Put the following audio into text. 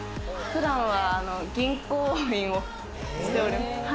普段は銀行員をしております。